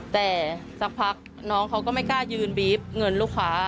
แต่สักพักน้องเขาก็ไม่กล้ายืนบีฟเงินลูกค้า